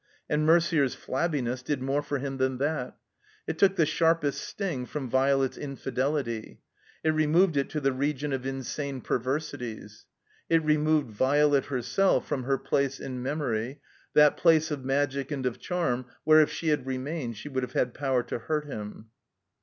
And Merder's flabbiness did more for him than that. It took the sharpest sting from Violet's infidelity. It removed it to the region of insane perversities. It removed Violet herself from her place in memory, that place of magic and of charm where if she had remained she would have had power to hurt him.